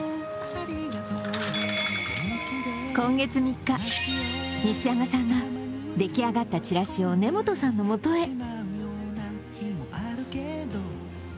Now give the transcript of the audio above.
今月３日、西山さんは出来上がったチラシを根本さんのもとへ。